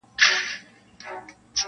لا به مي څونه ژړوي د عمر توري ورځي-